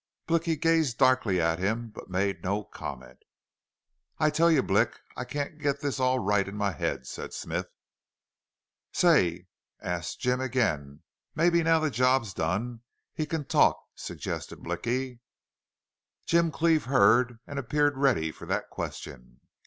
Blicky gazed darkly at him, but made no comment. "I tell you Blick, I can't git this all right in my head," said Smith. "Say, ask Jim again. Mebbe, now the job's done, he can talk," suggested Blicky. Jim Cleve heard and appeared ready for that question.